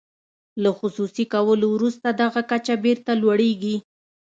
له خصوصي کولو وروسته دغه کچه بیرته لوړیږي.